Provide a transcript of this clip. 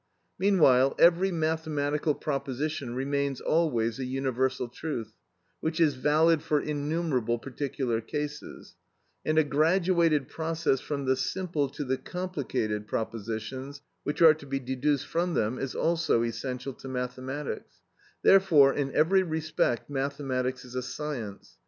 Meanwhile every mathematical proposition remains always a universal truth, which is valid for innumerable particular cases; and a graduated process from the simple to the complicated propositions which are to be deduced from them, is also essential to mathematics; therefore, in every respect mathematics is a science.